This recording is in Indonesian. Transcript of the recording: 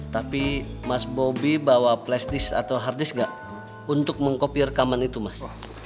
tapi mas bobby bawa plastik atau hard disk nggak untuk mengkopi rekaman itu mas